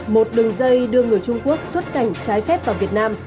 một đường dây đưa người trung quốc xuất cảnh trái phép vào việt nam